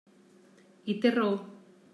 I té raó.